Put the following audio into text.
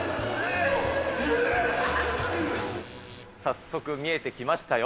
早速見えてきましたよ。